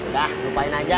gak lupain aja